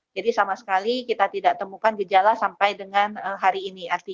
jadi sama sekali kita tidak temukan gejala sampai dengan hari ini